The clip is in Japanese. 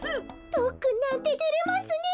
とっくんなんててれますねえ。